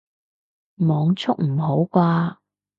網速唔好啩